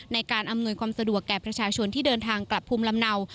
ในการอำนวยความสะดวกแก่ประชาชนที่เดินทางกลับภูมิลำเนา